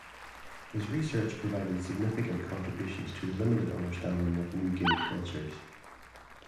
His research provided significant contributions to the limited understanding of New Guinea cultures.